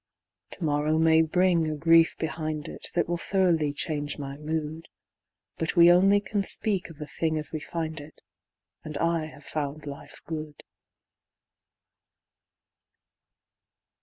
To morrow may bring a grief behind it That will thoroughly change my mood; But we only can speak of a thing as we find it And I have found life good.